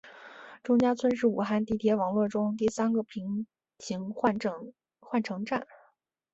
钟家村是武汉地铁网络中第三个同站台平行换乘站。